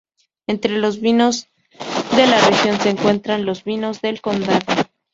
Entre los vinos de la región se encuentran los vinos del Condado.